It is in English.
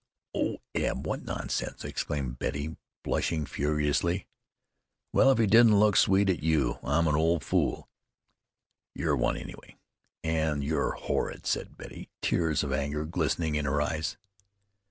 "Oh, Eb, what nonsense!" exclaimed Betty, blushing furiously. "Well, if he didn't look sweet at you I'm an old fool." "You're one anyway, and you're horrid," said Betty, tears of anger glistening in her eyes.